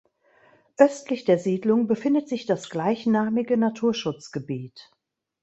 Östlich der Siedlung befindet sich das gleichnamige Naturschutzgebiet.